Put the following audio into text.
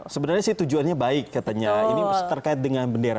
sebenarnya sih tujuannya baik katanya ini terkait dengan bendera